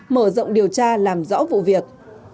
mở rộng điều tra làm rõ vụ việc